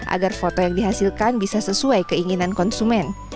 agar foto yang dihasilkan bisa sesuai keinginan konsumen